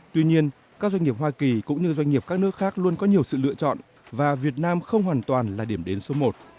tuy nhiên các doanh nghiệp hoa kỳ cũng như doanh nghiệp các nước khác luôn có nhiều sự lựa chọn và việt nam không hoàn toàn là điểm đến số một